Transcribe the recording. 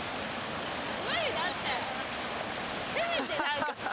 せめて何かさ